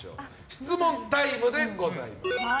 質問タイムでございます。